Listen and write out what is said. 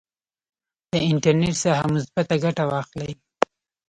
د انټرنیټ څخه مثبته ګټه واخلئ.